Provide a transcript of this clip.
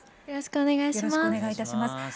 よろしくお願いします。